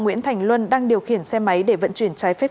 nguyễn thành luân đang điều khiển xe máy để vận chuyển trái phép